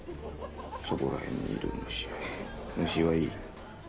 そこら辺にいる虫虫はいい。